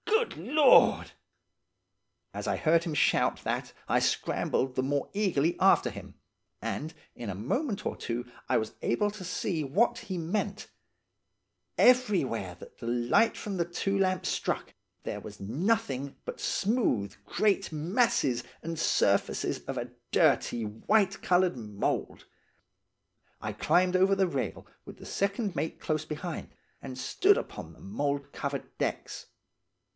Good lord!' "As I heard him shout that I scrambled the more eagerly after him, and in a moment or two I was able to see what he meant–everywhere that the light from the two lamps struck there was nothing but smooth great masses and surfaces of a dirty white coloured mould. I climbed over the rail, with the second mate close behind, and stood upon the mould covered decks.